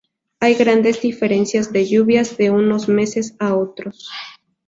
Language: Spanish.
Hay grandes diferencias de lluvias de unos meses a otros.